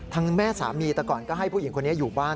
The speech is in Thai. แม่สามีแต่ก่อนก็ให้ผู้หญิงคนนี้อยู่บ้าน